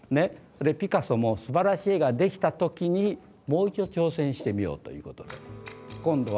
ピカソもすばらしい絵ができた時にもう一度挑戦してみようと。